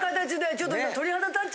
ちょっと今。